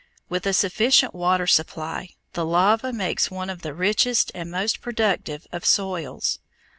With a sufficient water supply, the lava makes one of the richest and most productive of soils.